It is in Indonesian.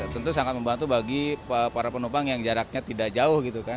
tentu sangat membantu bagi para penumpang yang jaraknya tidak jauh gitu kan